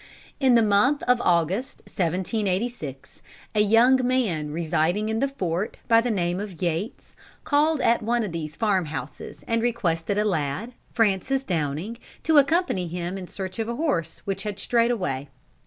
In the month of August, 1786, a young man residing in the fort, by the name of Yates, called at one of these farm houses and requested a lad, Francis Downing, to accompany him in search of a horse, which had strayed away.